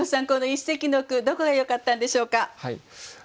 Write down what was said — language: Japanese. この一席の句どこがよかったんでしょうか。